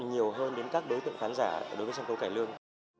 nhiều hơn đến các đối tượng khán giả đối với sân khấu cải lương